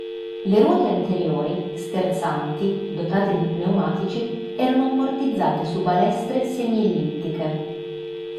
Le ruote anteriori, sterzanti, dotate di pneumatici, erano ammortizzate su balestre semiellittiche.